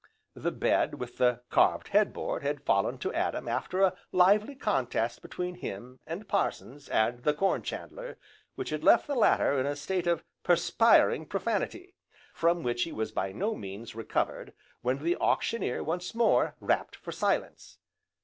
The bed with the carved head board had fallen to Adam after a lively contest between him, and Parsons, and the Corn chandler, which had left the latter in a state of perspiring profanity, from which he was by no means recovered, when the Auctioneer once more rapped for silence.